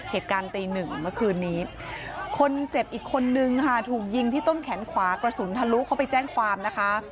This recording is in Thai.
เหตุการณ์ตีหนึ่งเมื่อคืนนี้คนเจ็บอีกคนนึงค่ะถูกยิงที่ต้นแขนขวากระสุนทะลุเข้าไปแจ้งความนะคะ